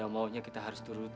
ampuni dosa allah